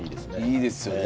いいですよね。